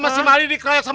ayolah duduk di sini